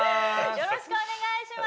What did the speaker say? よろしくお願いします